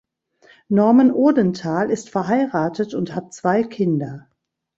Normen Odenthal ist verheiratet und hat zwei Kinder.